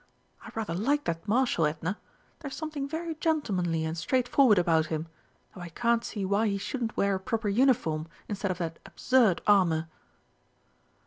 I rather like that Marshal, Edna; there's something very gentlemanly and straightforward about him, though I can't see why he shouldn't wear a proper uniform instead of that absurd armour."